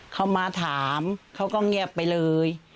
เขามาถามเขาก็เงียบไปเลย